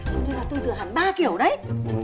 cho nên là tôi rửa hẳn ba kiểu đấy